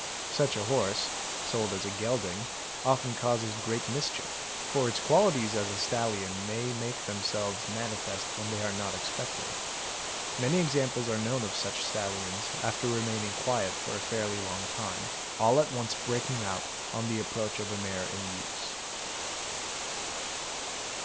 Such a horse, sold as a gelding, often causes great mischief, for its qualities as a stallion may make them selves manifest when they are not expected. Many examples are known of such stallions, after remaining quiet for a fairly long time, all at once breaking out on the approach of a mare in use.